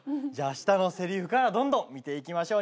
下のせりふからどんどん見ていきましょう。